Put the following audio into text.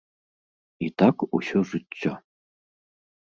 І так усё жыццё.